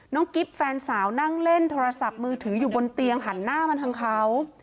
กิ๊บแฟนสาวนั่งเล่นโทรศัพท์มือถืออยู่บนเตียงหันหน้ามาทางเขา